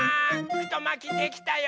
ふとまきできたよ！